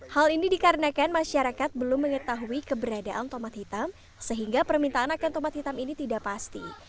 hal ini dikarenakan masyarakat belum mengetahui keberadaan tomat hitam sehingga permintaan akan tomat hitam ini tidak pasti